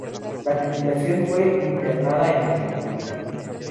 La tripulación fue internada en Argentina.